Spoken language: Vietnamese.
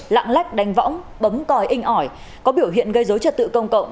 lạng lách đánh võng bấm còi inh ỏi có biểu hiện gây dối trật tự công cộng